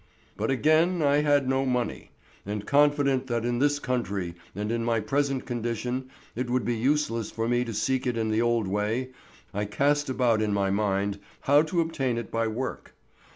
But again I had no money, and confident that in this country and in my present condition it would be useless for me to seek it in the old way, I cast about in my mind how to obtain it by work.